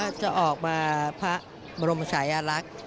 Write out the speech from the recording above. ก็จะออกมาพระบรมศัยรักษ์